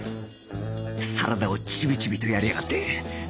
サラダをチビチビとやりやがって